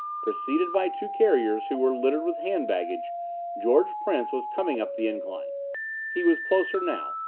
Preceded by two carriers who were littered with hand baggage, George Prince was coming up the incline. He was closer now.